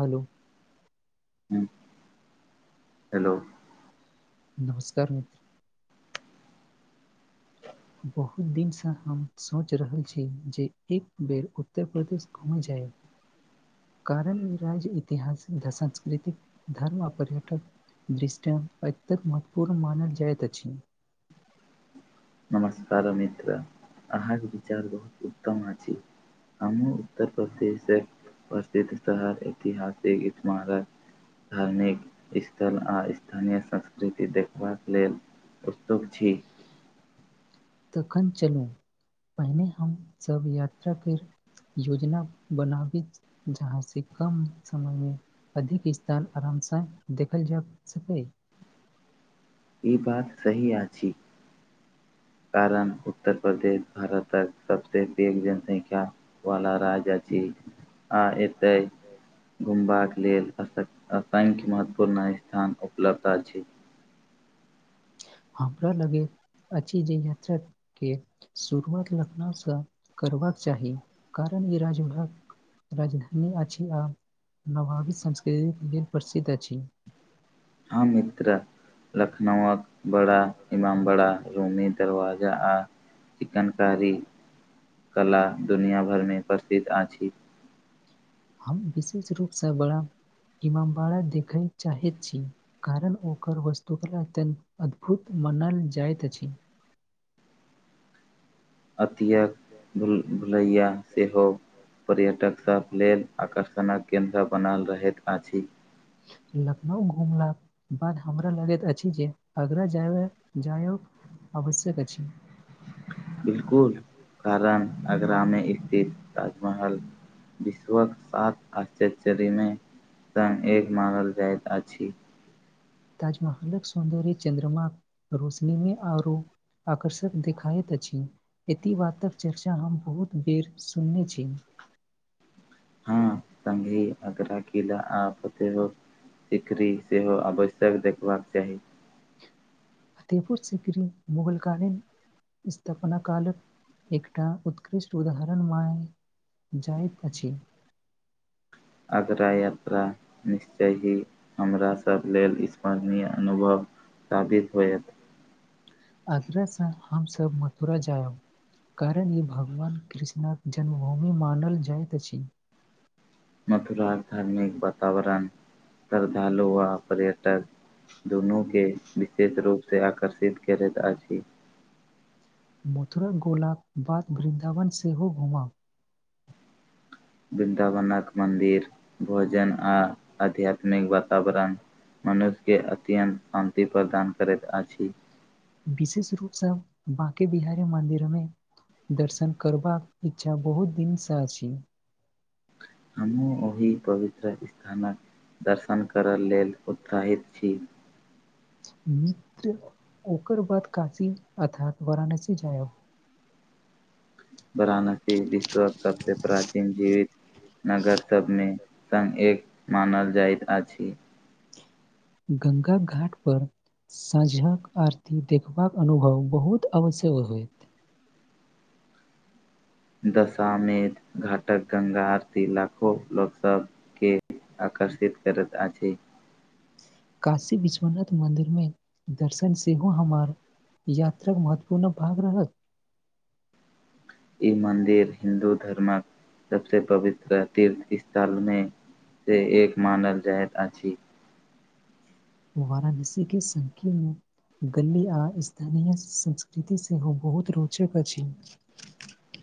Hello hello नमस्कार मित्र बहुत दिनसँ हम सोच रहल छी जे एक बेर उत्तर प्रदेश घुमे जाय ऐ कारण राज ऐतिहासिक संस्कृतिक धर्म आ पर्यटक दृष्टान्त अत्यधिक महत्वपूर्ण मानल जायत अछि नमस्कार मित्र अहाँके विचार बहुत उत्तम अछि हमू उत्तर प्रदेश प्रसिद्ध शहर ऐतिहासिक इमारक धार्मिक स्थल आ स्थानीय संस्कृति देखबाक लेल उत्सुक छी तखन चलू पहिने हम सब यात्रा कर योजना बनाबी जहाँ से कम समय मे अधिक स्थान आरामसँ देखल जा सकै ई बात सही अछि कारण उत्तर प्रदेश भारतक सबसँ पैघ जनसंख्या वला राज्य अछि आ एतै घुमबाक लेल असक अ संख्य महत्वपूर्ण स्थान उपलब्ध अछि हमरा लगे अछि जे यात्राके शुरुआत लखनउसँ करबाक चाही कारण ई राज्यभाग राजधानी अछि आ नवाबि संस्कृतिक लेल प्रसिद्ध अछि हम मित्र लखनउक बड़ा इमाम बड़ा रूमे दरवाजा आ चिकन कारी कला दुनियाँ भरिमे प्रसिद्ध अछि हम विशेष रूपसँ बड़ा ईमामबारा देखय चाहैत छी कारण ओकर वस्तु कला अत्यन्त अद्भुत मानल जाइत अछि अतेक भुलैया सेहो पर्यटक सब लेल आकर्षणक केन्द्र बनल रहैत अछि लखनऊ घुमलाक बाद हमरा लगैत अछि जे आगरा जायब जायौ आवश्यक अछि बिलकुल कारण आगरामे स्थित ताजमहल विश्वक साात आश्चर्य चरयमे तें एक मारल जाइत अछि ताजमहलक सौन्दर्य चन्द्रमा रोशनीमे आओरो आकर्षक देखाइत अछि एति बातक चर्चा हम बहुत बेर सुनने छी हँ तंघी अगरा किल आते हो सिकरी सेहो आवश्यक देखबाक चाही फतेपुर सिकडी़ मुगलकालीन स्थापना कालक एकटा उतकृष्ट उदाहरण मानल जायत अछि [inaudible] आगरा यात्रा निश्चय ही हमरासभ लेल स्मरणीय अनुभव तादिर होयत आगरसँ हमसभ मथुरा जायब कारण ई भगवान कृष्णक जन्मभूमि मानल जाइत अछि मथुरा धार्मिक वातावरण श्रद्धालु आ पर्यटक दुनू के विशेष रूपसँ आकर्षित करैत अछि मथुरा गोला बाद वृन्दावन से हो घुमा बृन्दावनक मन्दिर भोजन आ आध्यात्मिक वातावरण मनुष्यके अत्यन्त शान्ति प्रदान करैत अछि विशेष रूपसँ बाँकी बिहारी मन्दिरमे दर्शन करबाक इच्छा बहुत दिनसँ अछि हमहुं ओहि पवित्र स्थानक दर्शन करय लेल उत्साहित छी मित्र ओकर बाद काशी अर्थात वाराणसी जायब वराणसी विश्व सबसँ प्राचीन जीवित नगर सभमे संग एक मानल जाइत अछि गंगा घाट पर साँझक आरती देखबाक अनुभव बहुत अवश्यक होइत दशामेध घाटक गंगा आरती लाखो लोकसभके आकर्षित करत अछि काशी विश्वनाथ मन्दिर मे दर्शन सेहो हमर यात्राक महत्वपूर्ण भाग रहलत ई मन्दिर हिन्दू धर्मक सभस पवित्र तीर्थ स्थलमे से एक मानल जायत अछि ओ वारणसी के संकीर्ण गल्ली आ स्थानीय संस्कृति सेहो बहुत रोचक अछि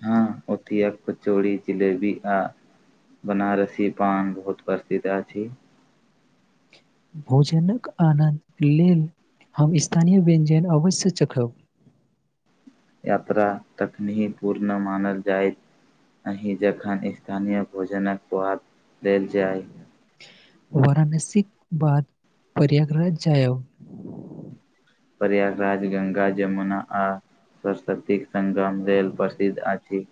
हँ ओत एक कचौड़ी जिलेबी आ बनारसी पान बहुत प्रसिद्ध अछि भोजनक आनन्द लेल हम स्थानीय व्यञ्जन अवश्य चखब यात्रा तखनी ही पूर्ण मानल जाइत अहिं जखन स्थानीय भोजनक पआाद देल जाय वाराणसी बाद प्रयागराज जायब प्रयागराज गंगा जमुना आ सरस्वती संगम रेल प्रसिद्ध अछि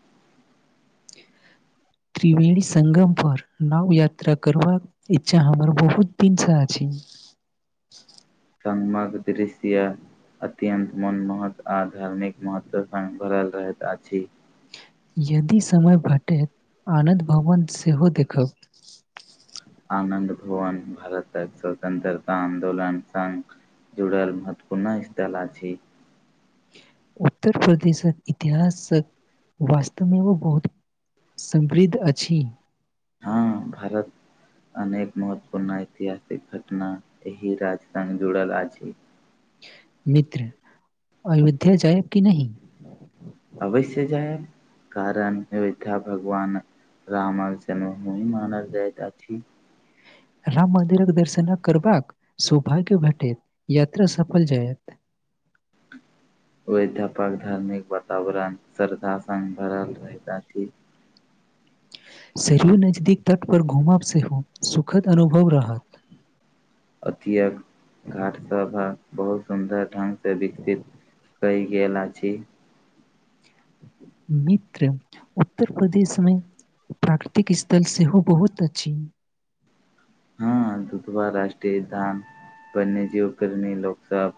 त्रिवेणी संगम पर नाव यात्रा करबाक इच्छा हमर बहुत दिनसं अछि [unintelligible] [inaudible] संगमक दृश्य अत्यन्त मोनमहत आओ धार्मिक महत्व सङ्ग भरल त आछी यदि समय भेटैत आनन्द भवन सेहो देखब आनन्द भुवन भारतक स्वतन्त्रता आन्दोलन संघ जुड़ल महत्वपूर्ण स्थल अछि उत्तर प्रदेशक इतिहासक वास्तमेमे व बहुत समृद्ध अछि हँ भारत अनेक महत्वपूर्ण ऐतिहासिक घटना एहि राज्य संग जुड़ल अछि मित्र अयोध्या जायब कि नहि अवश्य जायब कारण अयोध्या भगवान राम जन्मभुमि मानल जायत अछि राम मन्दिरक दर्शन करबाक सौभाग्य भेटैत यात्रा सफल जायत ओ अध्यापक धार्मिक वातावरण श्रद्धास संग भरल रहैत शरीर नजदीक तट पर घुमब सेहो सुखद अनुभव रहत असीयक घाटसभ बहुत सुन्दर ढंगगसँ विकसित कई गेलना छीी मित्र उत्तर प्रदेशमे प्राकृतिक स्थल सेहो बहुत अछि हँ धुधवा राष्टीय धान प जीवप्रेमी लोकसभ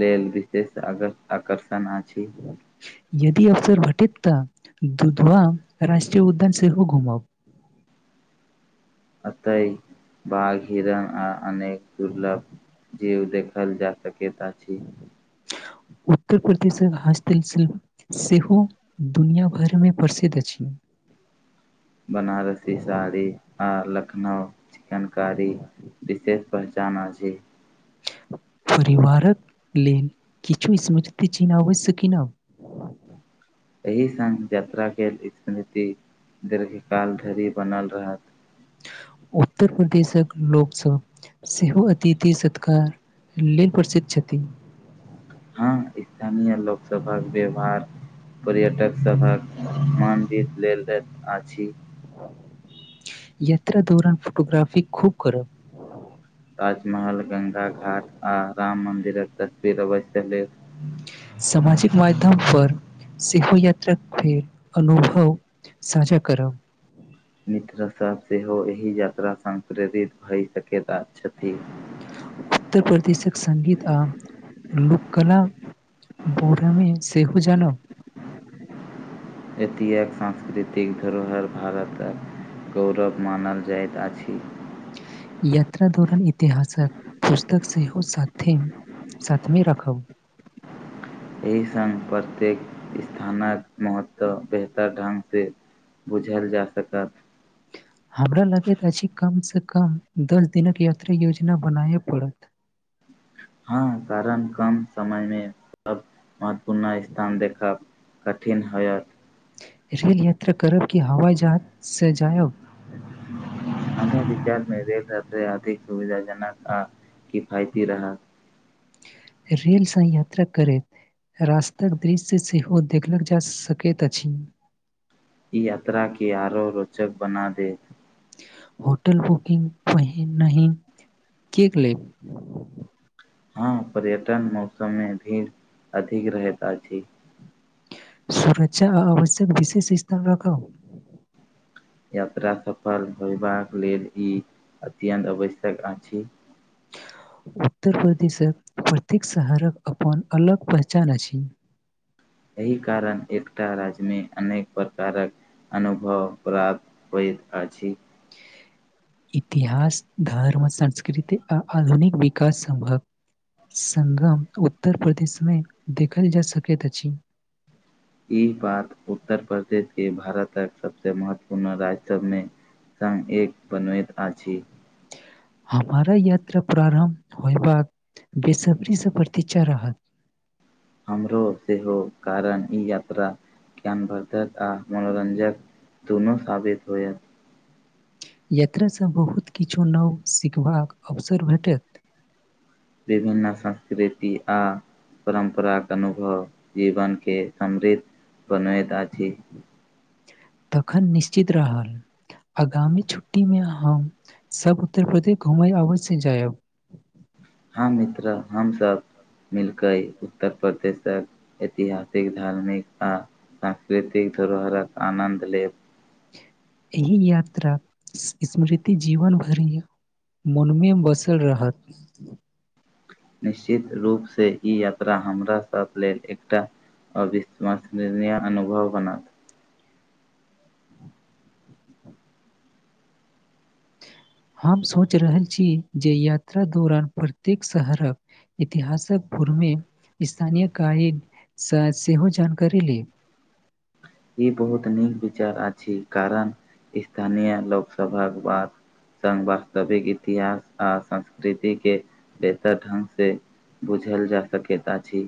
लेल विशेष आकर्षक यदि अवसर घटित त दुूधवा राष्ट्रीय उद्यान सेहो घूमब अतए बघ हरण आ अनेक दुर्लभ जे ओ देखल जा सकैत अछि उत्तर प्रदेशक हस्तशिल्प सेहो दुनिया भरिमे प्रसिद्ध अछि [inaudible] बनारसी साड़ी आ लखनउ चिकन कारी विशेष पहचान अछि परिवारक लेल किछु समझित चिन्ह आवश्य किनब एहिहि सझ यात्रा गेलल इकनीति दीर्घकाल ढेरी बनल रहत उत्तर प्रदेशक लोकसभा सेहो अतिथि सत्कार लेल प्रसिद्ध छथि हँ स्थानीय लोकसभक व्यवहार पर्यटक सभक मन जीत लेल जाइत अछि यात्रा दौरान फोटोग्राफी खूब करब ताजमहल गंगा घाट आ राम मन्दिरक तस्वीर अवश्य लेब सामाजिक माध्यम पर सेहो यात्राक फेर अनुभव साझा करब मित्रसभ सेहो एहि यात्रा स प्रेरित भए सकैत छथि उत्तर प्रदेशक संगङ्गीत आ लोककला बरमे सेहू जानब एतिह एक सांस्कृतिक धरोहर भारतक गौरव मानल जाइत अछि यात्रा दौरान इतिहासक पुस्तक सेहो साथ थथिम सतमे राखब एहि संग प्रत्येक स्थानक महत्व बेहतर ढंग से बुझायल जा सकत हमरा लगैत अछि कमसँ कम दस दिनक यात्रा योजना बनाबय पड़त [inaudible] हँ कारण कम समयमे सब महत्वपूर्ण स्थान देखब कठिन होयत रेल यात्रा करब कि हवाई जहाज से जायब हमरा विचारमे रेल यात्रा अधिक सुविधाजनक आ किफायती रहत रेलसँ यात्रा करैत रास्ताक दृश्य सेहो देखलक जा सकैत अछि ई यात्रा के आरो रोचक बना दे होटल बुकिंग पहिनहि कियक लेब हँ पर्यटन मौसममे भीड़ अधिक रहैत अछि सुरक्षा आ आवश्यक विशेष स्थान राखब यात्रा सफल होयबाक लेल ई अत्यन्त आवश्यक अछि [inaudible] उत्तर प्रदेशक प्रत्येक शहरक अपन अलग पहचान अछि एहि कारण एकटा राज्यमे अनेक प्रकारक अनुभव प्राप्त होइत अछि इतिहास धर्म संस्कृति आ आधुनिक विकास सम्भव संगम उत्तर प्रदेशमे देखल जा सकैत अछि ई बात उत्तर प्रदेश के भारतक सबसे महत्वपूर्ण राज्य सभमे सगं एक बनबैत अछि हमारा यात्रा प्रारम्भ होयबाक बेसब्री से प्रतिक्षा रहत हमरो सेहो कारण ई यात्रा ज्ञानवर्द्धक आ मनोरञ्जक दुनू साबित होयत यात्रासँ बहुत किछु नव सिखबाक अवसर भेटत विभिन्न संस्कृति आ परम्पराक अनुभव जीवनके समृद्ध बनबैत अछि तखन निश्चित रहल आगामी छुट्टी मे हम सब उत्तर प्रदेश घुमय अवश्य जायब ह मित्र हम सभ मिलकै उत्तर प्रदेशक ऐतिहासिक धार्मिक आ सांस्कृतिक धरोहरक आनन्द लेब एहि यात्रा स्मृति जीवन भरि मनमे बसल रहत निश्चित रूपसे ई यात्रा हमरा सब लेल एकटा अविश्वसनीय अनुभव बनत [inaudible] हम सोच रहल छी जे यात्रा दौरान प्रत्येक शहरक इतिहासक मे स्थानीय काय सेहो जानकारी ली [inaudible] ई बहुत नीक विचार अछि कारण स्थानीय लोकसभक बात संग वास्तविक इतिहास आ संस्कृति के बेहतर ढंग से बुझल जा सकैत अछि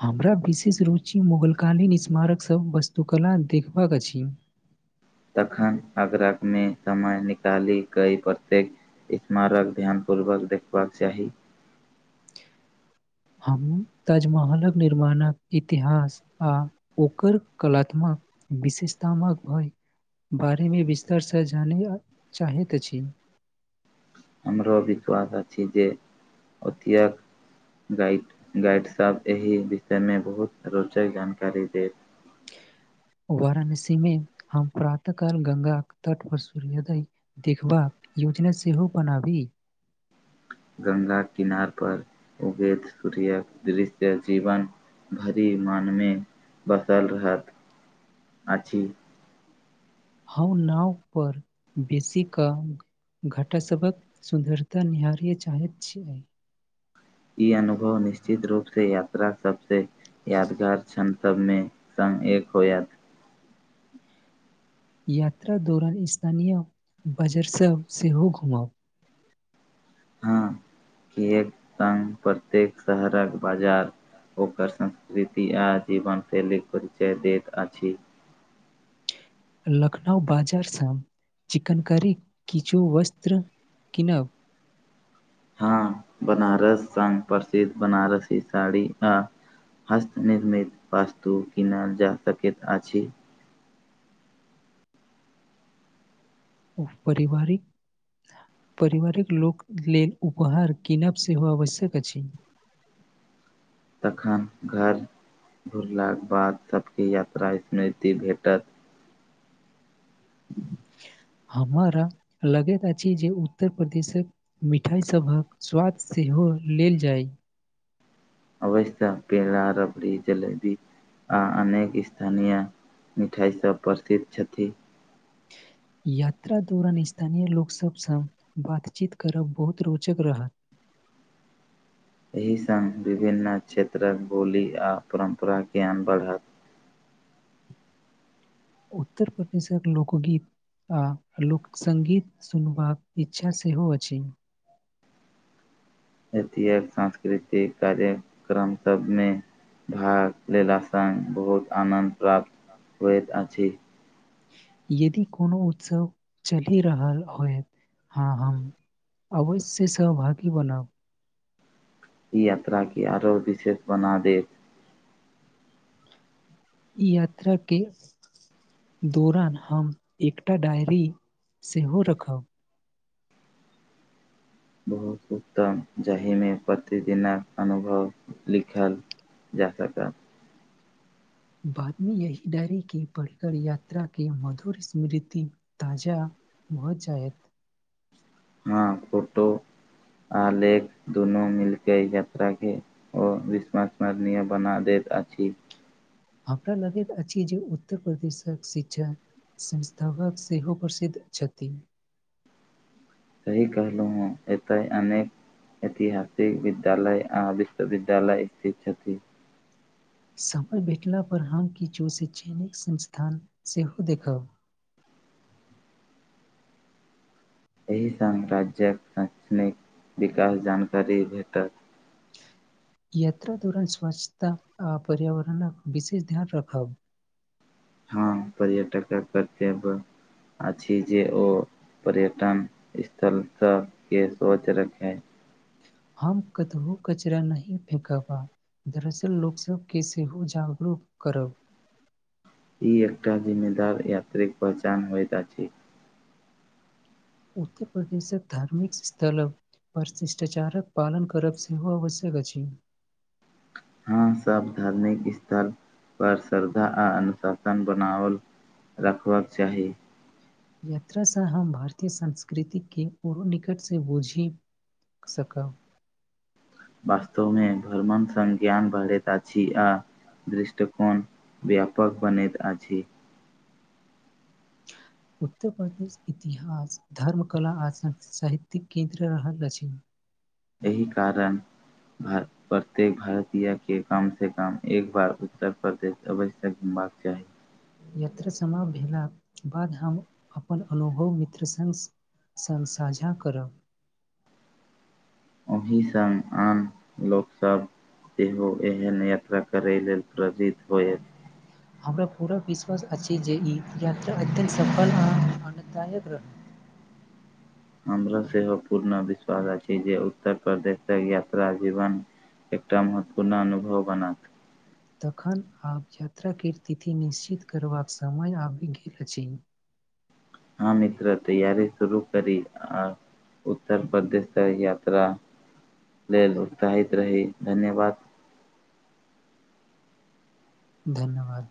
हमरा विशेष रुचि मुगल कालीन स्मारकसभ वस्तुकला देखबाक अछि [inaudible] तखन आगरा मे समय निकाली प्रत्येक स्मारक ध्यान पूर्वक देखबाक चाही हम ताजमहलक निर्माणक इतिहास आ ओकर कलात्मक विशेषता हमर घय [unintelligible] बारेमे विस्तारसँ जानया चाहैत अछि हमरो विश्वास अछि जे ओतेके गाइड गाइडसभ एहि विषयमे बहुत रोचक जानकारी देत [inaudible] वाराणसी मे हम प्रातः काल गंगा के तट पर सूर्योदय देखबाक यो जना सेहो बनाबी गंगाक किनार पर उगैत सूर्यक दृश्य जीवन भरि मनमे बसल रहत अछि हम नाव पर बेसी क घटा सहभक सुन्दरता निहारीए चाहत छिये ई अनुभव निश्चित रूप से यात्रा सबसे यादगार क्षण सब मे जान एक होयत यात्रा दौरान स्थानीय बजरसभ सेहो घुमब हँ किएक तऽ प्रत्येक शहरक बाजार ओकर संस्कृति आ जीवन शैलीक परिचय दैत अछि लखनउ बाजार साम चिकन करी किछु वस्त्र किनब हँ बनारस सँ प्रसिद्ध बनारसी साड़ी आ हस्त निर्मित वास्तु किनल जा सकैत अछि ओ परिवारिक परिवारिक लोक लेल उपहार किनब सेहो आवश्यक अछि तखन घर घुरलाक बाद सभके यात्रा स्मृति भेटत ह [inaudible] हमरा लगैत अछि जे उत्तर प्रदेशक मिठाई सभक स्वाद से हो लेल जाइ अवश्य पेड़ा रबड़ी जलेबी आ अनेक स्थानीय मिठाइ सभ प्रसिद्ध छथि यात्रा दौरान स्थानीय लोकसभसँ बातचीत करब बहुत रोचक रहत [inaudible] एहि संग विभिन्न क्षेत्रक बोली आ परम्पराक ज्ञान बढ़त उत्तर प्रदेशक लोको गीत आ लोकसंगीत सुनबाक इच्छा सेहो अछि एतियक सांस्कृतिक कार्यक्रम सभमे भाग लेलासँ बहुत आनन्द प्राप्त होइत अछि यदि कोनो उत्सव चलि रहल होइत हँ हम अवश्य सहभागी बनब ई यात्रा केँ आरो विशेष बना देत ई यात्रा केँ दौरान हम एकटा डायरी सेहो रखब बहुत उत्तम जाहिमे प्रतिदिनक अनुभव लिखल जा सकत बादमे यही डायरी के पढ़िकर यात्रा के मधुर स्मृति ताजा भऽ जायत हँ फोटो आलेख दुनू मिलके यात्रा के ओ विश्वसमरणीय बना देत त अछि। [unintelligible] हमरा लगैत अछि जे उत्तर प्रदेशक शिक्षा संस्था शत सेहो प्रसिद्ध छथि सही कहलहुँ हें एतय अनेक ऐतिहासिक विद्यालय आ विश्वविद्यालय स्थित छथि समय भेटला पर हम किछु चयनित संस्थान सेहो देखब एहि सङ्ग राज्यक शैक्षणिक विकास जानकारी भेटत याता दौरान स्वच्छता आ पर्यावरणक विशेष ध्यान रखब हँ पर्यटकक कर्तव्य अछि जे ओ पर्यटन स्थलता के स्वच्छ रखें हम कतहो कचरा नहि फेेकब आ दरअसल लोकसभके सेहो जागरूक करब [inaudible] ई एकटा जिम्मेदार यात्रीक पहचान होइत अछि उत्तर प्रदेशक धार्मिक स्थलक परशिष्टाचारक पालन करब सेहो आवश्यक अछि [inaudible] हँ सभ धार्मिक स्थल पर श्रद्धा आ अनुशासन बनाओल राखबाक चाही यात्रा सँ हम भारतीय संस्कृति के ओरो निकट से बूझि सकब वास्तवमे भ्रमण संज्ञान बढ़ैत अछि आ दृष्टिकोण व्यापक बनैत अछि [inaudible] उत्तर प्रदेश इतिहास धर्म कला आ स साहित्यिक केन्द्र रहल अछि एहि कारण प्रत्येक भारतीय के कम से कम एक बार उत्तर प्रदेश अवश्य ही एबाक चाही यात्रा समाप्त भेला बाद हम अपन अनुभव मित्र सङ्ग संग साझा करब अहिसंग आन लोकसब तेहो एहन यात्रा करय लेल प्रेरित होयत हमरा पूरा विश्वास अछि जे ई यात्रा अत्यन्त सफल आ आनन्द जायक रहत हमरा सेहो पूर्ण विश्वास अछि जे उत्तर प्रदेश तक यात्रा जीवन एकटा महत्वपूर्ण अनुभव बनत तखन आब यात्रा के तिथि निश्चित करबाक समय आबि गेल अछि ह मित्र तैयारी शुरू करी आ उत्तर प्रदेश तऽ यात्रा लेल उत्साहित रहि धन्यवाद धन्यवाद